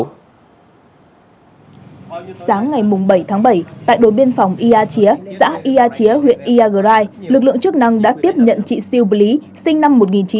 vào sáng ngày bảy tháng bảy tại đồn biên phòng ia chía xã ia chía huyện iagrai lực lượng chức năng đã tiếp nhận chị siu bli sinh năm một nghìn chín trăm chín mươi ba